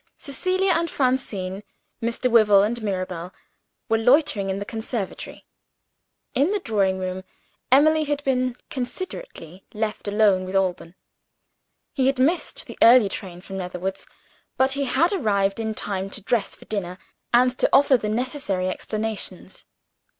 Cecilia and Francine, Mr. Wyvil and Mirabel, were loitering in the conservatory. In the drawing room, Emily had been considerately left alone with Alban. He had missed the early train from Netherwoods; but he had arrived in time to dress for dinner, and to offer the necessary explanations.